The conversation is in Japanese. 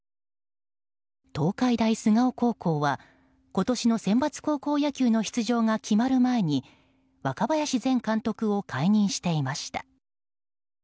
東海大菅生高校は今年のセンバツ高校野球の出場が決まる前に若林前監督を解任していました。